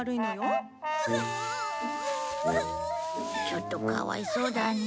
ちょっとかわいそうだね。